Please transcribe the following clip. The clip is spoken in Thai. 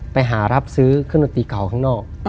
ไปหารับซื้อเครื่องดนตรีเก่าข้างนอก